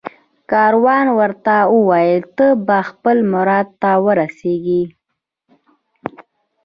کاروان ورته وویل ته به خپل مراد ته ورسېږې